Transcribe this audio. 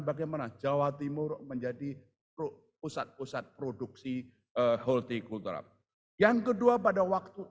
bagaimana jawa timur menjadi pusat pusat produksi holti kultur yang kedua pada waktu